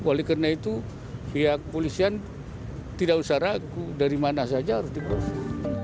oleh karena itu pihak polisian tidak usah ragu dari mana saja harus diproses